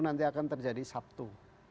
nanti akan terjadi sabtu